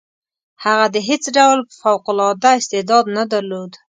هغه د هیڅ ډول فوق العاده استعداد نه درلود.